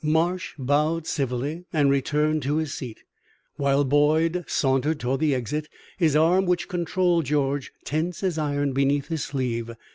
Marsh bowed civilly and returned to his seat, while Boyd sauntered toward the exit, his arm which controlled George tense as iron beneath his sleeve.